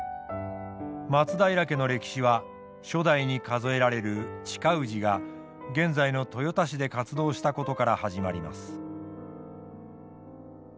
松平家の歴史は初代に数えられる親氏が現在の豊田市で活動したことから始まります。